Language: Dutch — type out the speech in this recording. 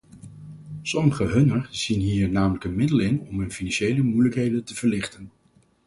Sommigen hunner zien hier namelijk een middel in om hun financiële moeilijkheden te verlichten.